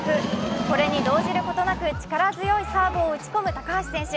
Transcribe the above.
これに動じることなく力強いサーブを打ち込む高橋選手。